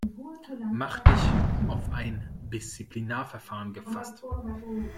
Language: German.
Mach dich auf ein Disziplinarverfahren gefasst.